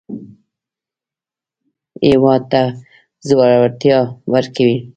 هېواد ته زړورتیا ورکړئ